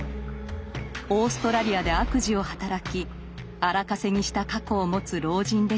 オーストラリアで悪事を働き荒稼ぎした過去を持つ老人でした。